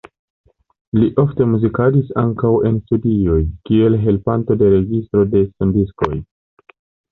Li ofte muzikadis ankaŭ en studioj, kiel helpanto de registro de sondiskoj.